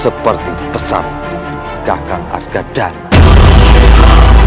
seperti pesan kakak arga dana